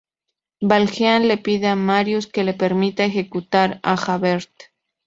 Valjean le pide a Marius que le permita ejecutar a Javert.